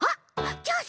じゃあさ